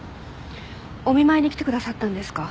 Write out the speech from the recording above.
お見舞いに来てくださったんですか？